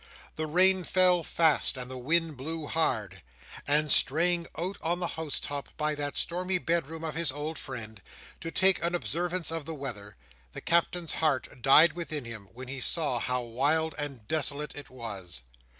The rain fell fast, and the wind blew hard; and straying out on the house top by that stormy bedroom of his old friend, to take an observation of the weather, the Captain's heart died within him, when he saw how wild and desolate it was.